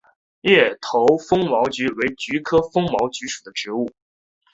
叶头风毛菊为菊科风毛菊属的植物。